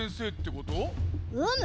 うむ。